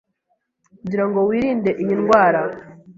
kugira ngo wirinde iyi ndwara